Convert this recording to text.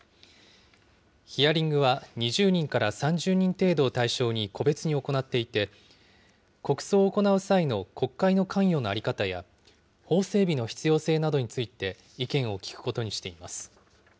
ヒアリングは２０人から３０人程度を対象に個別に行っていて、国葬を行う際の国会の関与の在り方や法整備の必要性などについて意見を聞くことにしています。